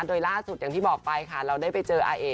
โดยล่าสุดอย่างที่บอกไปค่ะเราได้ไปเจออาเอก